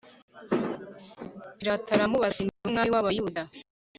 Pilato aramubaza ati niwowe mwami wabayuda